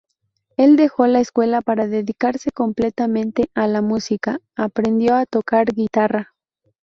Él dejó la escuela para dedicarse completamente a la música; aprendió a tocar guitarra.